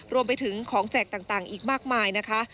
รวมไปถึงของแจกต่างอีกมากมายนะคะ